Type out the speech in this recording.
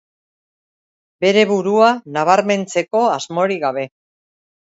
Bere burua nabarmentzeko asmorik gabe.